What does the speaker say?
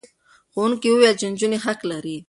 ښوونکي وویل چې نجونې حق لري.